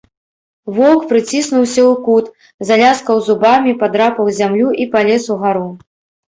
Воўк прыціснуўся ў кут, заляскаў зубамі, падрапаў зямлю і палез угару.